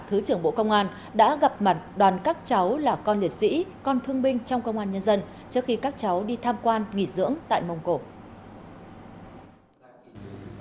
thứ trưởng bộ công an đã gặp mặt đoàn các cháu là con liệt sĩ con thương binh trong công an nhân dân trước khi các cháu đi tham quan nghỉ dưỡng tại mông cổ